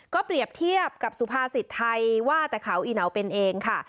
ก็เปรียบเทียบกับสุภาษิตไทยว่าแต่เขาอีเหนาเป็นเองค่ะ